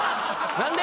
何で！？